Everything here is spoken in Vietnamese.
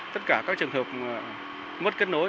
tất cả các trường hợp mất kết nối